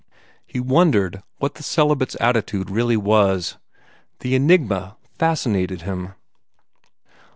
He wondered what the celibate's attitude really was. The enigma fascinated him.